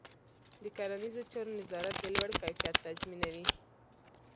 د کرنيزو چارو نظارت د لوړ کیفیت تضمینوي.